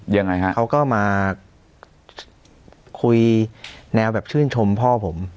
ยังไงฮะเขาก็มาคุยแนวแบบชื่นชมพ่อผม